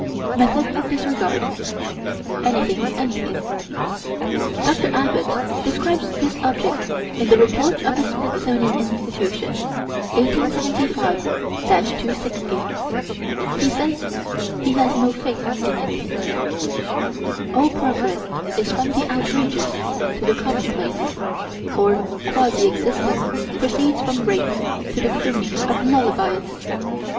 Method of disregard: anything's anything. Dr. Abbott describes this object in the Report of the Smithsonian Institution, 1875 260. He says he has no faith in it. All progress is from the outrageous to the commonplace. Or quasi existence proceeds from rape to the crooning of lullabies.